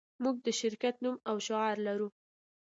موږ د شرکت نوم او شعار لرو